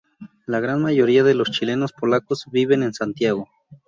La gran mayoría de los chilenos polacos viven en Santiago.